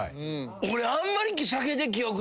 俺あんまり。